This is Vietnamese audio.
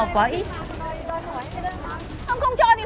không cho thì thôi sao phải quay lại chửi người ta